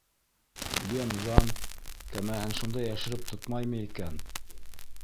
Бен Ганн кәмәһен шунда йәшереп тотмаймы икән?